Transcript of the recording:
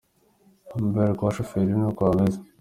Imbere kwa shoferi ni uku hameze.